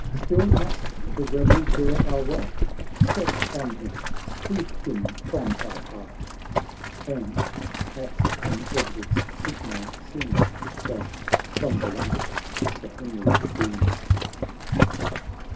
— Still must the rebel dare our wrath ? Set on him — sweep him from our path !"— And, at King Edward's signal, soon Dashed from the ranks Sir Henry Boune.